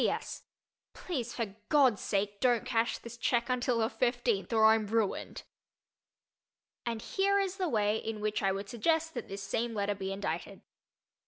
P. P. S. Please for God's sake don't cash this check until the fifteenth or I'm ruined. And here is the way in which I would suggest that this same letter be indited.